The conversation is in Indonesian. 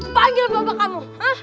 panggil bapak kamu